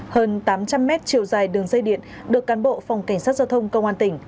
hơn tám trăm linh mét chiều dài đường dây điện được cán bộ phòng cảnh sát giao thông công an tỉnh